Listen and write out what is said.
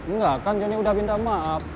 nggak kan jonny udah binda maaf